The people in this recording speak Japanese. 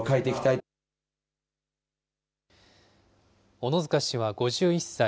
小野塚氏は５１歳。